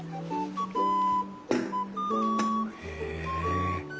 へえ。